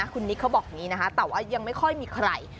คุณนิกเขาบอกอย่างนี้นะคะแต่ว่ายังไม่ค่อยมีใคร